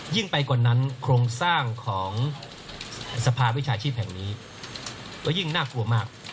ยิ่งไปกว่านั้นโครงสร้างของสภาวิชาชีพแห่งนี้ก็ยิ่งน่ากลัวมาก